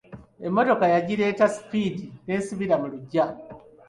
Emmotoka yagireeta sipiidi n'esibira mu lugya.